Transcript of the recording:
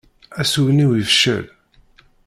Asugen-iw yefcel.